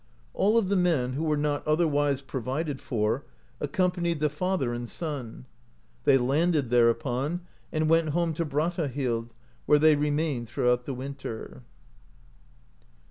All of the men, who were not otherwise provided for, accompanied the father and son. They landed thereupon, and went home to Brattahlid, where they remained throughout the winter.